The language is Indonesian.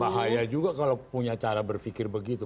bahaya juga kalau punya cara berpikir begitu